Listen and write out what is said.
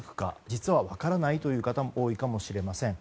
実は分からないという方も多いかもしれません。